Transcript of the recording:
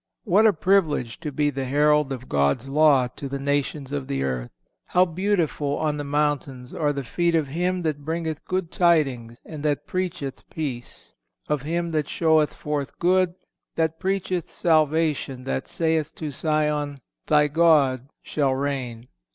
(497) What a privilege to be the herald of God's law to the nations of the earth! "How beautiful on the mountains are the feet of him that bringeth good tidings and that preacheth peace: of him that showeth forth good, that preacheth salvation, that saith to Sion: Thy God shall reign."